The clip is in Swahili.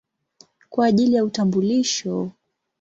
kwa ajili ya utambulisho.